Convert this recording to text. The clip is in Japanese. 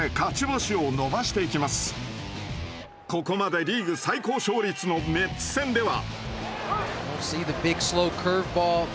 ここまでリーグ最高勝率のメッツ戦では。